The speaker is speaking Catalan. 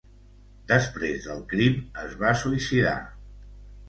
Després del crim es va suïcidar.